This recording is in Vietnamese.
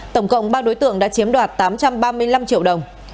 tổng cộng ba đối tượng đã chiếm đoạt tám trăm ba mươi năm triệu đồng